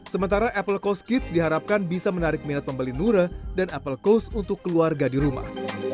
sementara apple coast kids diharapkan bisa menarik minat pembeli nura dan apple coast untuk keluarga di rumah